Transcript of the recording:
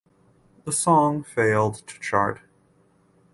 The song failed to chart.